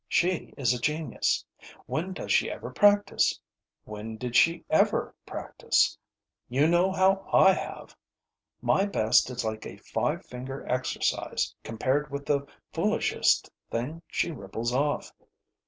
"She is a genius. When does she ever practise? When did she ever practise? You know how I have. My best is like a five finger exercise compared with the foolishest thing she ripples off.